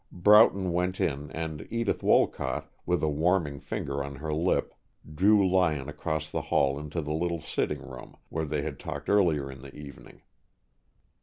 Broughton went in, and Edith Wolcott, with a warning finger on her lip, drew Lyon across the hall into the little sitting room where they had talked earlier in the evening.